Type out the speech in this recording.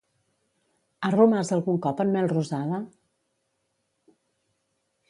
Ha romàs algun cop en Melrosada?